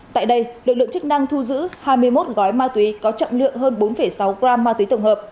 tại đây lực lượng chức năng thu giữ hai mươi một gói ma túy có trọng lượng hơn bốn sáu gram ma túy tổng hợp